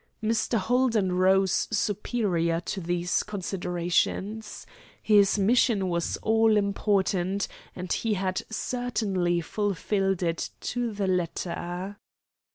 Mr. Holden rose superior to these considerations. His mission was all important, and he had certainly fulfilled it to the letter.